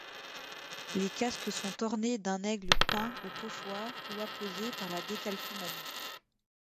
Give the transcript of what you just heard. Les casques sont ornés d'un aigle peint au pochoir ou apposé par la décalcomanie.